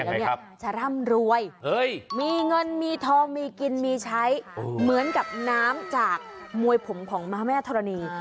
แล้วเนี่ยจะร่ำรวยมีเงินมีทองมีกินมีใช้เหมือนกับน้ำจากมวยผมของม้าแม่ธรณี